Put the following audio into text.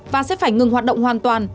và sẽ phải ngừng hoạt động hoàn toàn